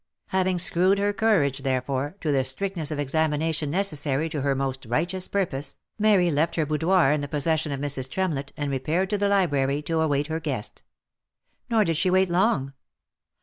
Having screwed her courage, therefore, to the strictness of ex amination necessary to her most righteous purpose, Mary left her boudoir in the possession of Mrs. Tremlett, and repaired to the library to await her guest. Nor did she wait long.